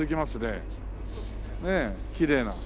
ねえきれいな。